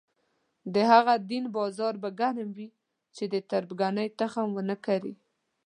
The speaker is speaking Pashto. د هغه دین بازار به ګرم وي چې تربګنۍ تخم ونه کري.